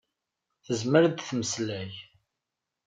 Tezmer ad temmeslay.